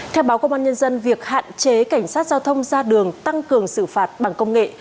theo báo công an nhân dân việc hạn chế cảnh sát giao thông ra đường tăng cường xử phạt bằng công nghệ